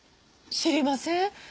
知りません？